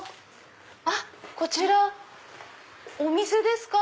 あっこちらお店ですか？